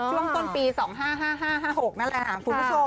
ช่วงต้นปี๒๕๕๕๖นั่นแหละค่ะคุณผู้ชม